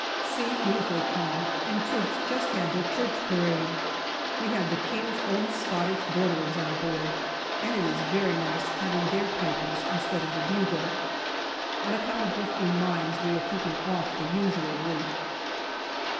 Sea beautifully calm, and troops just had their Church Parade. We have the King's Own Scottish Bor derers on board, and it is very nice having their pipers instead of the bugle. On account of drifting mines we are keeping off the usual route.